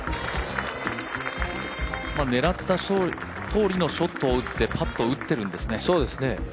狙ったとおりのショットを打って、パットを打ってるんですね。